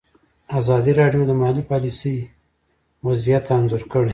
ازادي راډیو د مالي پالیسي وضعیت انځور کړی.